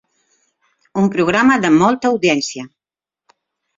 Un programa de molta audiència.